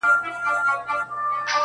زه ګرم نه یم دا زما زړه لېونی دی!